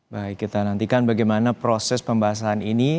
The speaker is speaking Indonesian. baik kita nantikan bagaimana proses pembahasan ini